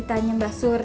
abis ditanya mba surti